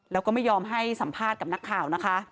แล้วก็ไม่ยอมให้สัมภาษณ์กับนักข่าวนะคะ